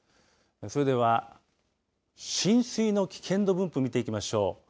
それでは浸水の危険度分布見ていきましょう。